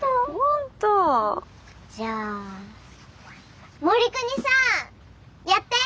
じゃあ護国さんやって。